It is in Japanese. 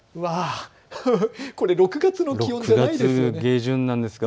これ６月の気温じゃないですよね。